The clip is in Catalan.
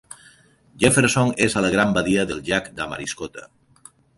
Jefferson és a la Gran Badia del llac Damariscotta.